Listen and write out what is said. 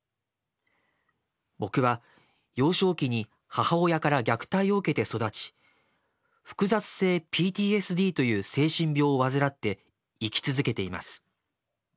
「僕は幼少期に母親から虐待を受けて育ち複雑性ＰＴＳＤという精神病を患って生き続けています。